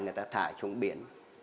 người ta thả xuống biển